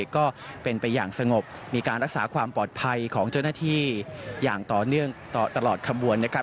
ก็เป็นไปอย่างสงบมีการรักษาความปลอดภัยของเจ้าหน้าที่อย่างต่อเนื่องตลอดขบวนนะครับ